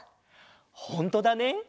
ほんとだね。